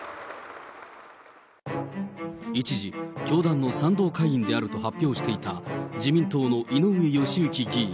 一時、教団の賛同会員であると発表していた自民党の井上義行議員。